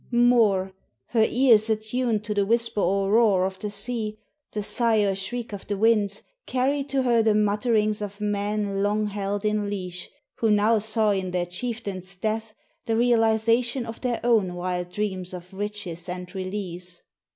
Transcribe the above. More, her ears attuned to the whisper or roar of the sea, the sigh or shriek of the winds, carried to her the mutterings of men long held in leash, who now saw in their chieftain's death the realization of their own wild dreams of riches and release.